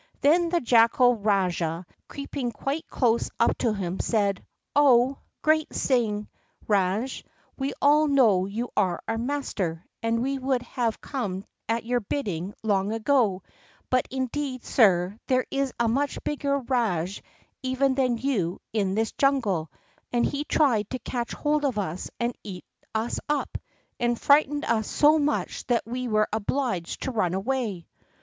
Then the Jackal Rajah, creeping quite close up to him, said: "Oh, great Singh Rajah, we all know you are our master, and we would have come at your bidding long ago; but, indeed, sir, there is a much bigger rajah even than you in this jungle, and he tried to catch hold of us and eat us up, and frightened us so much that we were obliged to run away."